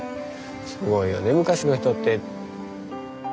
すごいよね昔の人って。